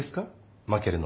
負けるのが。